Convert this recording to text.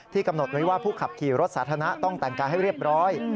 กำหนดไว้ว่าผู้ขับขี่รถสาธารณะต้องแต่งกายให้เรียบร้อย